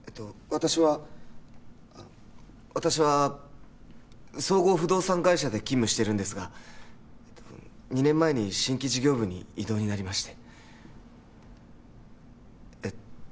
私は私は総合不動産会社で勤務しているんですが２年前に新規事業部に異動になりましてえっ